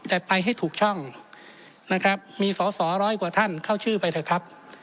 แต่ไปให้ถูกช่องนะครับมีสอสอร้อยกว่าท่านเข้าชื่อไปเถอะครับ